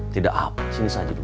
tidak apa sini saja